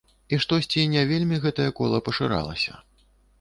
І штосьці не вельмі гэтае кола пашыралася.